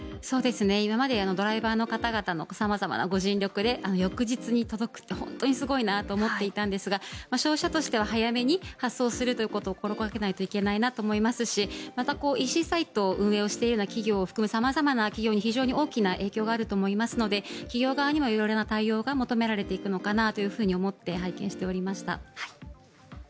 今までドライバーの方々の様々なご尽力で翌日に届くって本当にすごいなと思っていたんですが商社としては早めに発送するということを心掛けないといけないなと思いますしまた、ＥＣサイトを運営している企業を含む様々な企業に非常に大きな影響があると思いますので企業側にも色々な対応が求められていくのかなと思って拝見していました。